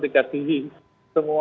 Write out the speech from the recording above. untuk centrotika fungen semua